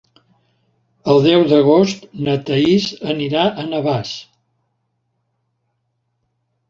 El deu d'agost na Thaís anirà a Navàs.